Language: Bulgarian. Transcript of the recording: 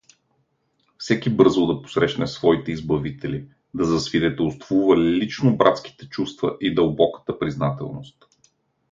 Всеки бързал да посрещне своите избавители, да засвидетелствува лично братските чувства и дълбоката признателност.